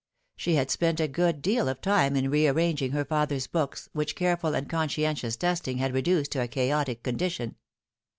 She had spent a good deal of time in re arranging her father's books, which careful and conscientious dusting had reduced to a chaotic condition.